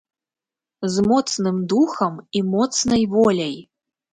З моцным духам і моцнай воляй.